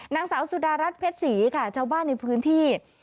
นางสาวสุดารัฐเพชรศรีค่ะชาวบ้านในพื้นที่